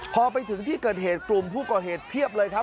พอไปถึงที่เกิดเหตุกลุ่มผู้ก่อเหตุเพียบเลยครับ